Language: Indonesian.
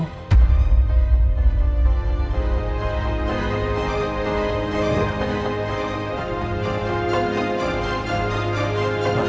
tentang tentang tentang